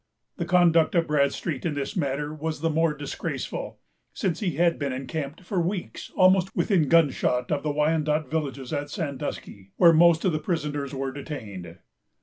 The conduct of Bradstreet in this matter was the more disgraceful, since he had been encamped for weeks almost within gunshot of the Wyandot villages at Sandusky, where most of the prisoners were detained.